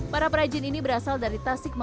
para perajin ini berasal dari tasik mala